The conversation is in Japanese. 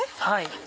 はい。